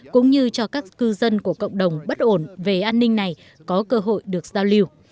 và các cư dân của cộng đồng bất ổn về an ninh này có cơ hội được giao lưu